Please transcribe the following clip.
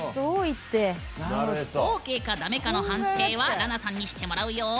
ＯＫかだめかの判定はらなさんにしてもらうよ。